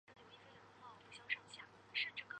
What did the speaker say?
随后举行祭祖仪式。